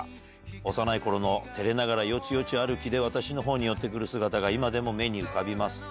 幼いころのてれながらよちよち歩きで私のほうに寄ってくる姿が今でも目に浮かびます。